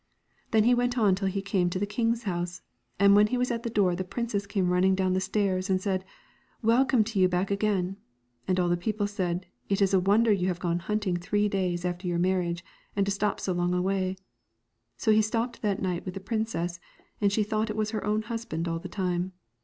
Then he went on till he came to the king's house, and when he was at the door the princess came running down the stairs, and said, ' Welcome to you back again.' And all the people said, 'It is a wonder you have gone hunting three days after your marriage, and to stop so long away.' So he stopped that night with the princess, and she thought it was her own husband all the time.